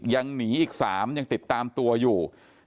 ยังหนีอีก๓ยังติดตามตัวอยู่